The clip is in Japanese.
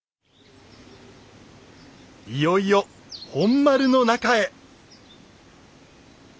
いよいよ本丸の中へ。